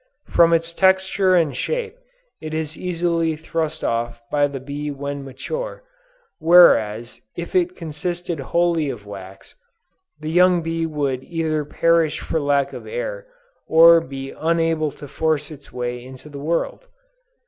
From its texture and shape it is easily thrust off by the bee when mature, whereas, if it consisted wholly of wax, the young bee would either perish for lack of air, or be unable to force its way into the world!